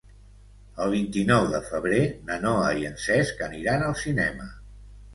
El vint-i-nou de febrer na Noa i en Cesc aniran al cinema.